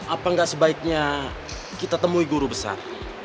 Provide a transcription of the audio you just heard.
apa nggak sebaiknya kita temui guru besar